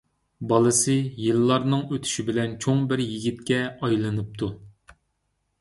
بالىسى يىللارنىڭ ئۆتۈشى بىلەن چوڭ بىر يىگىتكە ئايلىنىپتۇ.